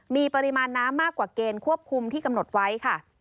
มีปริมาณน้ำมากกว่าเกณฑ์ควบคุมที่กำหนดไว้ค่ะ